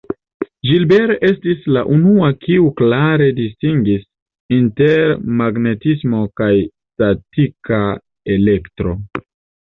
Gilbert estis la unua kiu klare distingis inter magnetismo kaj statika elektro.